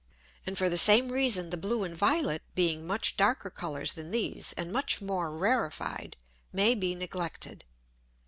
And for the same reason the blue and violet being much darker Colours than these, and much more rarified, may be neglected.